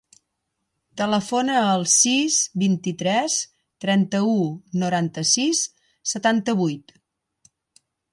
Telefona al sis, vint-i-tres, trenta-u, noranta-sis, setanta-vuit.